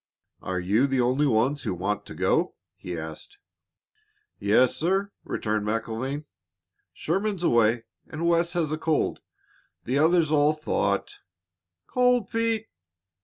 "Are you the only ones who want to go?" he asked. "Yes, sir," returned MacIlvaine. "Sherman's away, and Wes has a cold. The others all thought " "Cold feet!"